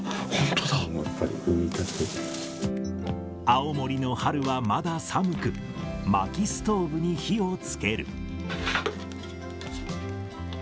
青森の春はまだ寒く、まきストーブに火をつける。